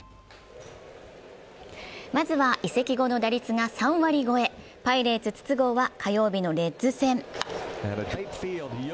まずは移籍後の打率が３割超え、パイレーツ・筒香は火曜日のレッズ戦。